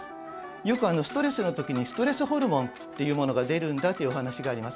よくストレスの時にストレスホルモンっていうものが出るんだというお話があります。